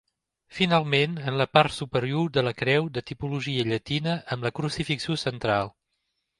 Finalment en la part superior de la creu de tipologia llatina amb la crucifixió central.